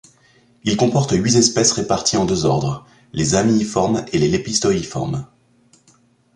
Il comporte huit espèces réparties en deux ordres, les Amiiformes et les Lepisosteiformes.